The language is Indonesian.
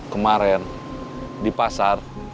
kemarin di pasar